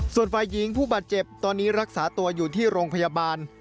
ส่วนฝ่ายหญิงผู้บาดเจ็บตอนนี้รักษาตัวอยู่ที่โรงพยาบาล